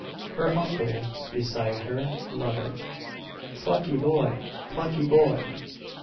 Her uncle, beside her, muttered: "Plucky boy! Plucky boy!"